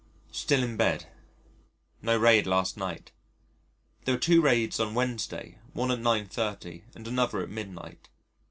Still in bed. No raid last night. There were two raids on Wednesday, one at 9.30, and another at midnight.